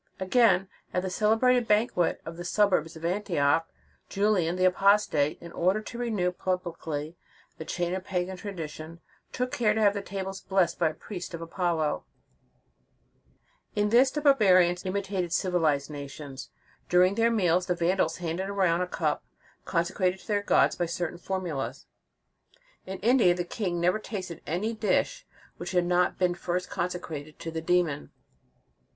Ao ain at the celebrated banquet of the & a suburbs of Antioch, Julian the Apostate, in order to renew publicly the chain of pagan * Lib. iv. f W 1J k. ".% Apud. Stuckius, p. 431. 252 The Sign of the Cross tradition, took care to have the tables blessed by a priest of Apollo.* In this, the bar barians imitated civilized nations. During their meals, the Vandals handed around a cup consecrated to their gods by certain formulas.*}* In India the king never tasted any dish which had not first been consecrated to the demon.